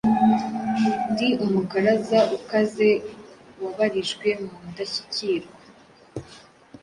Nd umukaraza ukaze wabarijwe mundashyikirwa